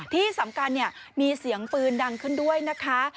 ที่สำคัญมีเสียงปืนดังขึ้นด้วยนะคะ